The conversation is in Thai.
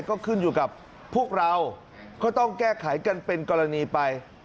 ก็ขึ้นอยู่กับพวกเราก็ต้องแก้ไขกันเป็นกรณีไป